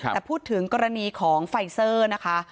แต่พูดถึงกรณีของไฟเซอร์นะคะ